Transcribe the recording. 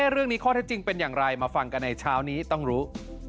เรื่องนี้ข้อเท็จจริงเป็นอย่างไรมาฟังกันในเช้านี้ต้องรู้